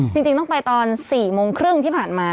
จริงต้องไปตอน๔โมงครึ่งที่ผ่านมา